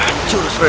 hah jaga dewa batara